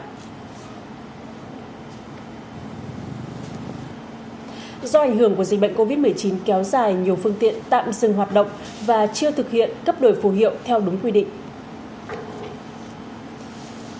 do ảnh hưởng của dịch bệnh covid một mươi chín kéo dài nhiều phương tiện tạm dừng hoạt động và chưa thực hiện cấp đổi phù hiệu theo đúng quy định